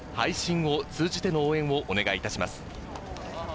テレビや配信を通じての応援をお願いいたします。